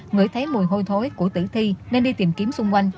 ngửi thấy mùi hôi thối của tử thi nên đi tìm kiếm xung quanh